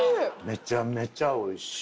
めちゃめちゃおいしい。